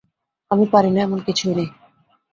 আমি পারি না এমন কিছুই নেই।